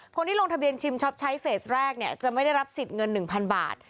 คนที่ลงทะเบียนชิมช็อปใช้เฟสแรกเนี่ยจะไม่ได้รับสิทธิ์เงิน๑๐๐บาท